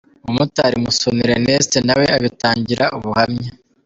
Umumotari Musonera Erneste nawe abitangira ubuhamya.